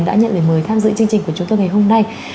đã nhận lời mời tham dự chương trình của chúng tôi ngày hôm nay